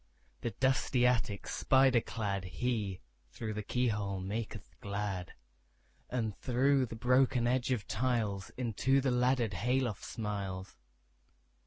The dusty attic spider cladHe, through the keyhole, maketh glad; And through the broken edge of tiles, Into the laddered hay loft smiles.